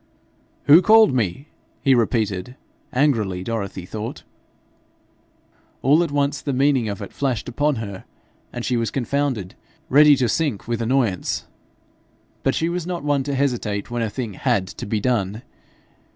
'Who called me?' he repeated angrily, Dorothy thought. All at once the meaning of it flashed upon her, and she was confounded ready to sink with annoyance. But she was not one to hesitate when a thing HAD to be done.